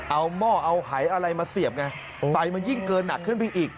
เอาหม้อเอาหายอะไรมาเสียบไงไฟมันยิ่งเกินหนักขึ้นไปอีก